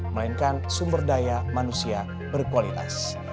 melainkan sumber daya manusia berkualitas